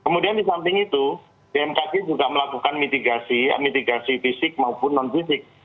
kemudian di samping itu bmkg juga melakukan mitigasi mitigasi fisik maupun non fisik